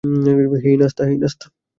হেই, নাশতা।